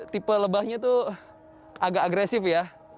tipe lebahnya tuh agak agresif ya